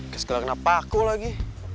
keselak kenapa aku lagi